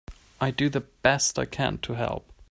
I do the best I can to help.